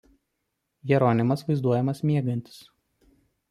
Jeronimas vaizduojamas miegantis.